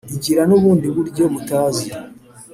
igira n' ubundi buryo mutazi,